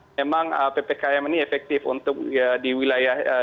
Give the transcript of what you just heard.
memang ppkm ini efektif untuk di wilayah